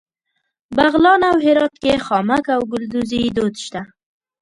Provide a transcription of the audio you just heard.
بغلان او هرات کې خامک او ګلدوزي دود شته.